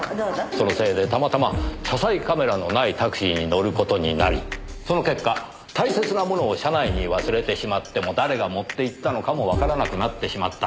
そのせいでたまたま車載カメラのないタクシーに乗る事になりその結果大切なものを車内に忘れてしまっても誰が持っていったのかもわからなくなってしまった。